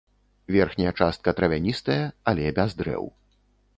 Верхняя частка травяністая, але без дрэў.